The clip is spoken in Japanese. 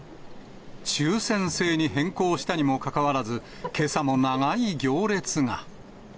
抽せん制に変更したにもかかわらず、けさも長い行列が。